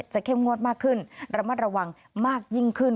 เข้มงวดมากขึ้นระมัดระวังมากยิ่งขึ้น